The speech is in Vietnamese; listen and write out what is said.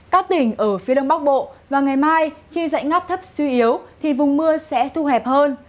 các tỉnh ở phía đông bắc bộ và ngày mai khi dạnh ngắp thấp suy yếu thì vùng mưa sẽ thu hẹp hơn